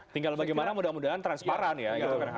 tinggal bagaimana mudah mudahan transparan ya